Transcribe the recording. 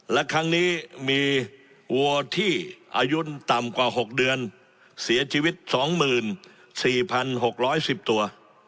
และครั้งนี้มีวัวที่อายุต่ำกว่า๖เดือนเสียชีวิต๒๔๖๑๐ตัว